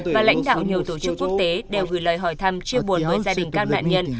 và lãnh đạo nhiều tổ chức quốc tế đều gửi lời hỏi thăm chia buồn hơn gia đình các nạn nhân